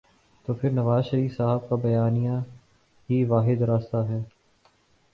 تو پھر نوازشریف صاحب کا بیانیہ ہی واحد راستہ ہے۔